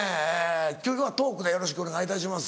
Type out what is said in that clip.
今日はトークでよろしくお願いいたします。